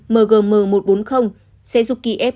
mgm một trăm bốn mươi sẽ giúp kiev